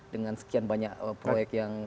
dengan sekian banyak proyek yang